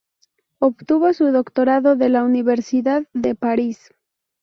Obtuvo su doctorado de la Universidad de París.